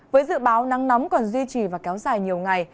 với dự báo nắng nóng còn duy trì và kéo dài nhiều ngày